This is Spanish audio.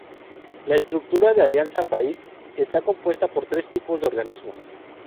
La estructura de Alianza País está compuesta por tres tipos de organismos.